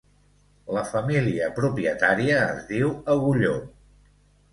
La família propietària es diu Agulló.